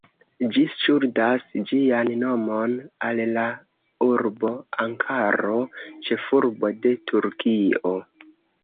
Ĝi ŝuldas ĝian nomon al la urbo Ankaro, ĉefurbo de Turkio.